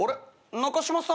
中嶋さん